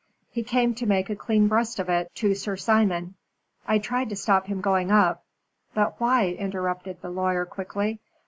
He came to make a clean breast of it to Sir Simon. I tried to stop him going up " "But why?" interrupted the lawyer, quickly.